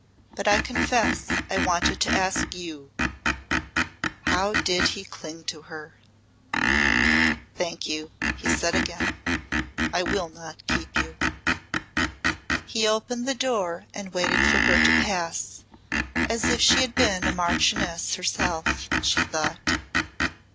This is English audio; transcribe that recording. But I confess I wanted to ask you." How he did cling to her! "Thank you," he said again. "I will not keep you." He opened the door and waited for her to pass as if she had been a marchioness herself, she thought.